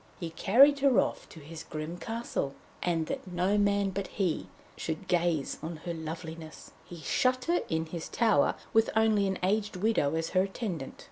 He carried her off to his grim castle, and that no man but he should gaze on her loveliness, he shut her in his tower, with only an aged widow as her attendant.